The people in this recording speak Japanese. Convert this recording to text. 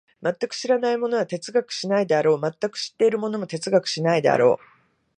全く知らない者は哲学しないであろう、全く知っている者も哲学しないであろう。